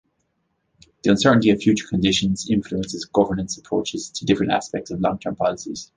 The uncertainty of future conditions influences governance approaches to different aspects of long-term policies.